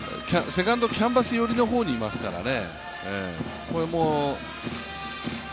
セカンド、キャンバス寄りの方にいますからね。